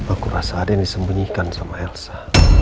aku rasa ada yang disembunyikan sama elsa